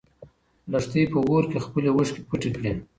لښتې په اور کې خپلې اوښکې پټې کړې.